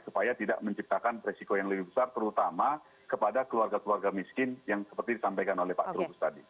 supaya tidak menciptakan resiko yang lebih besar terutama kepada keluarga keluarga miskin yang seperti disampaikan oleh pak trubus tadi